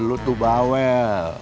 lu tuh bawel